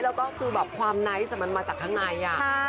แล้วก็คือแบบความไนท์มันมาจากข้างใน